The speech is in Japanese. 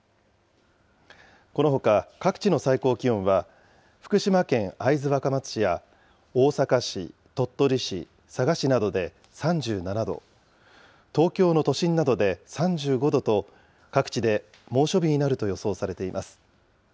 このほか、各地の最高気温は、福島県会津若松市や大阪市、鳥取市、佐賀市などで３７度、東京の都心などで３５度と、各地で猛暑日になると予想されています。